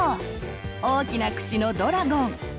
大きな口のドラゴン。